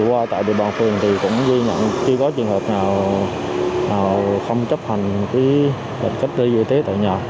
qua tại địa bàn phường thì cũng ghi nhận khi có trường hợp nào không chấp hành lệnh cách ly y tế tại nhà